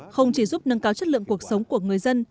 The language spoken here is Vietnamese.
không chỉ giúp nâng cao chất lượng cuộc sống của người dân